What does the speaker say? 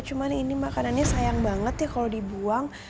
cuma ini makanannya sayang banget ya kalau dibuang